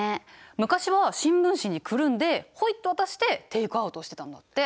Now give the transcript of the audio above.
昔は新聞紙にくるんでホイッと渡してテイクアウトをしてたんだって。